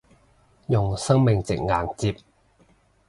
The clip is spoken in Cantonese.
用生命值硬接